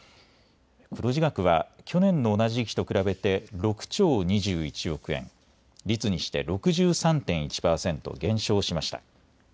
黒字額は去年の同じ時期と比べて６兆２１億円、率にして６３．１％減少しました。